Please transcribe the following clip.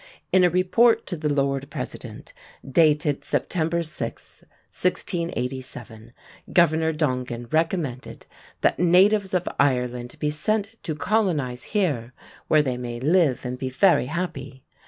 In a "Report to the Lord President," dated September 6, 1687, Governor Dongan recommended "that natives of Ireland be sent to colonize here where they may live and be very happy."